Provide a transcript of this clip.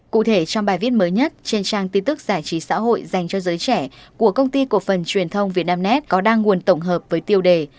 cụ thể trong bài viết mới nhất trên trang tin tức giải trí xã hội dành cho giới trẻ của công ty cổ phần truyền thông vietnamnet có đăng nguồn tổng hợp với tiêu đề